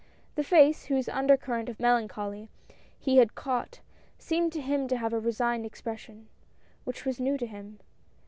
The face, whose under current of melancholy he had caught, seemed to him to have a resigned expression, luciake's letter. 187 which was new to him.